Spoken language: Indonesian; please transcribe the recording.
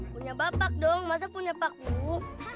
punya bapak dong masa punya pak bu